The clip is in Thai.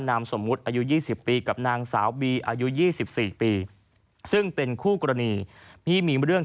นามสมมุติอายุ๒๐ปีกับนางสาวบีอายุ๒๔ปีซึ่งเป็นคู่กรณีที่มีเรื่อง